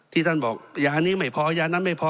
ที่ท่านบอกยานี้ไม่พอยานั้นไม่พอ